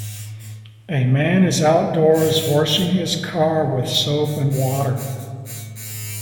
A man is outdoors washing his car with soap and water.